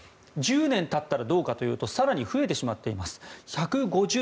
１０年経ったらどうかというと更に増えてしまっています。